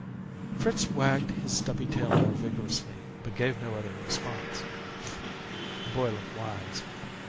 Fritz wagged his stubby tail more vigorously, but gave no other response. The boy looked wise.